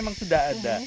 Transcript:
memang sudah ada